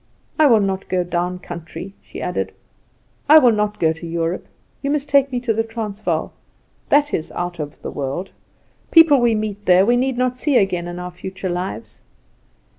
I will not go down country," she added; "I will not go to Europe. You must take me to the Transvaal. That is out of the world. People we meet there we need not see again in our future lives."